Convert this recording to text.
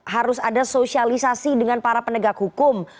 harus ada sosialisasi dengan para penegak hukum